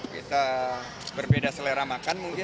kita berbeda selera makan mungkin